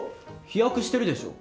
飛躍してるでしょ。